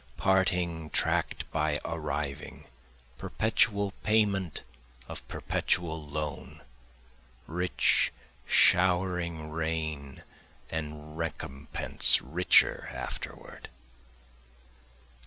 Parting track'd by arriving, perpetual payment of perpetual loan, Rich showering rain, and recompense richer afterward.